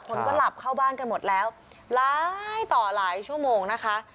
คนก็หลับเข้าบ้านกันหมดแล้วหลายต่อหลายชั่วโมงนะคะ